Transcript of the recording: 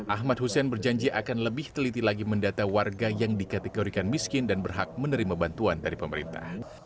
ahmad hussein berjanji akan lebih teliti lagi mendata warga yang dikategorikan miskin dan berhak menerima bantuan dari pemerintah